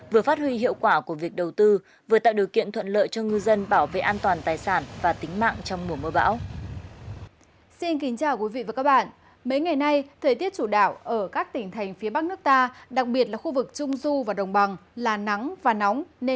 vừa phát huy hiệu quả của việc đầu tư vừa tạo điều kiện thuận lợi cho ngư dân bảo vệ an toàn tài sản và tính mạng trong mùa mưa bão